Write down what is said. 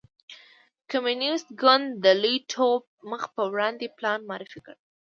کمونېست ګوند د لوی ټوپ مخ په وړاندې پلان معرفي کړ.